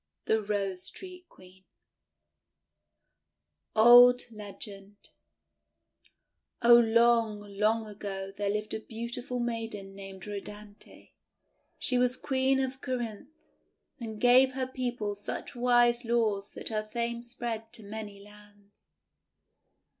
THE ROSE TREE QUEEN Old Legend OH, long, long ago there lived a beautiful maiden named Rhodanthe. She was Queen of Corinth, and gave her people such wise laws that her fame spread to many lands.